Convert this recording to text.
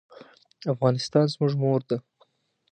افغانستان زموږ مور ده.